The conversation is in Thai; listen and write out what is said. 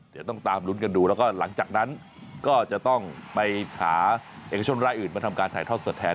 เดี๋ยวต้องตามลุ้นกันดูแล้วก็หลังจากนั้นก็จะต้องไปหาเอกชนรายอื่นมาทำการถ่ายทอดสดแทน